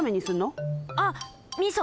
あっみそ！